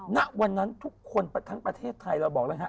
ณวันนั้นทุกคนทั้งประเทศไทยเราบอกแล้วฮะ